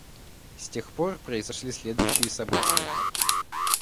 С тех пор произошли следующие события.